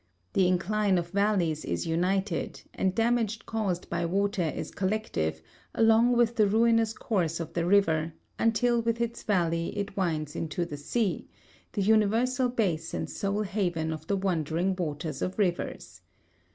The incline of valleys is united, and damage caused by water is collective, along with the ruinous course of the river, until with its valley it winds into the sea, the universal base and sole haven of the wandering waters of rivers.